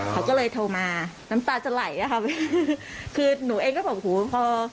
เขาก็เลยโทรมาน้ำตาจะไหลอะค่ะพี่คือหนูเองก็บอกหูพอ